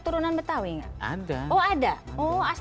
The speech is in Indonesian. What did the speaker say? terus pemain bassnya kakak itu menado